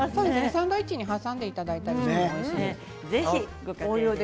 サンドイッチに挟んでいただいてもいいですね。